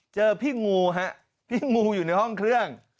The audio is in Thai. เจอพี่งูฮะพี่งูอยู่ในห้องเครื่อง